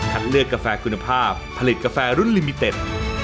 เลือกกาแฟคุณภาพผลิตกาแฟรุ่นลิมิเต็ด